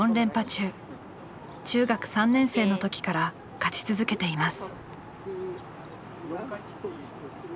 中学３年生の時から勝ち続けています。